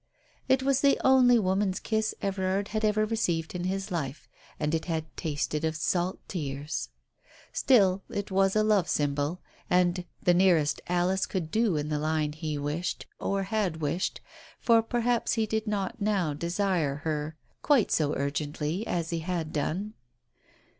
It was the only woman's kiss Everard had ever received in his life, and it had tasted of salt tears ! Still, it was a love symbol, the nearest Alice could do in the line he wished, or had wished, for perhaps he did not now desire her quite so urgently as he had done.